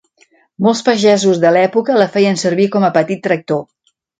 Molts pagesos de l'època la feien servir com a petit tractor.